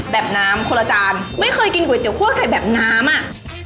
แบบน้ำคนละจานไม่เคยกินก๋วยเตี๋คั่วไก่แบบน้ำอ่ะ